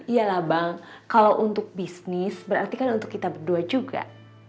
iya lah bang kalau untuk bisnis berarti kan untuk kita berdua juga